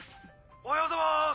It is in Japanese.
おはようございます。